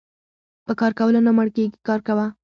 په کار کولو نه مړکيږي کار کوه .